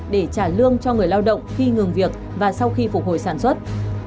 để trả lương cho người lao động khi ngừng việc và sau khi phục hồi sản xuất